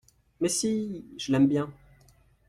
Mais si… je l’aime bien.